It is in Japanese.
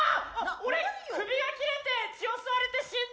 俺首が切れて血を吸われて死んだ！